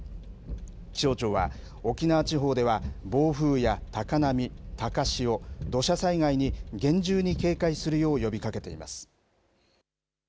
気象庁は沖縄地方では暴風や高波、高潮、土砂災害に厳重に警戒するよう呼びかけています。